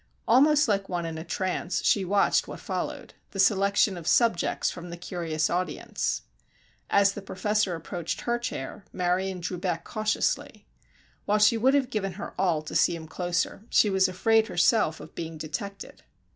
Almost like one in a trance, she watched what followed; the selection of "subjects" from the curious audience. As the professor approached her chair, Marion drew back cautiously. While she would have given her all to see him closer, she was afraid herself of being detected.